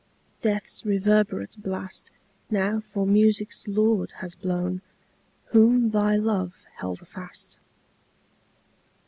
Death's reverberate blast Now for music's lord has blown Whom thy love held fast.